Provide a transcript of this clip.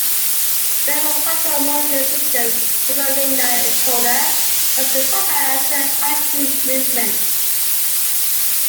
Servo controlled motion systems employ linear encoder so as to provide accurate, high-speed movement.